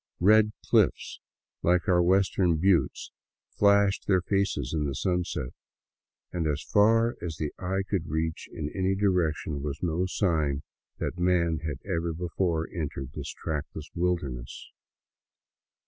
Red clififs, like our v*^estern hiittes, flashed their faces in the sunset, and as far as the eye could reach in any di rection was no sign that man had ever before entered this trackless wilderness.